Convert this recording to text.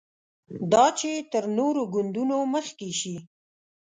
دا چې تر نورو ګوندونو مخکې شي.